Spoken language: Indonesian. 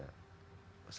saya harus balik lagi ya